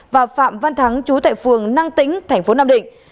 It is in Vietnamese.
và phạm văn thắng chú tại phường năng tĩnh thành phố nam định